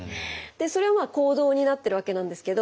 それはまあ行動になってるわけなんですけど。